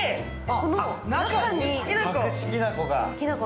この中にきなこ。